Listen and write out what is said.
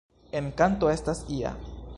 En kanto estas ia.